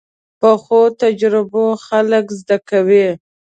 پخو تجربو خلک زده کوي